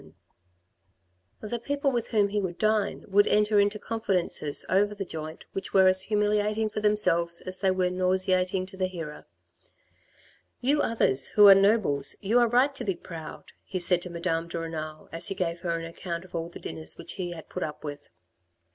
150 THE RED AND THE BLACK The people with whom he would dine would enter into confidences over the joint which were as humiliating for themselves as they were nauseating to the hearer. " You others, who are nobles, you are right to be proud," he said to Madame de Renal, as he gave her an account of all the dinners which he had put up with.